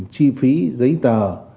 chi phí giấy tờ